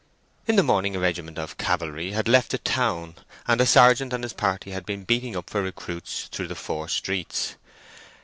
In the morning a regiment of cavalry had left the town, and a sergeant and his party had been beating up for recruits through the four streets.